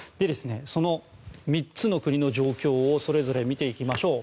その３つの国の状況をそれぞれ見ていきましょう。